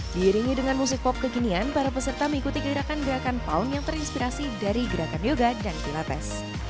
diiringi dengan musik pop kekinian para peserta mengikuti gerakan gerakan pound yang terinspirasi dari gerakan yoga dan pilates